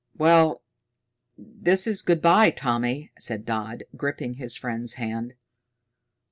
"Well, this is good by, Tommy," said Dodd, gripping his friend's hand.